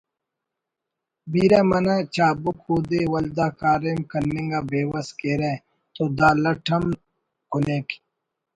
بیرہ منہ چابک اودے ولدا کاریم کننگ آ بیوس کیرہ…… تو دا لٹ ہم کنیک